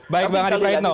baik bang adit raitno